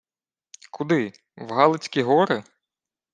— Куди? В Галицькі гори?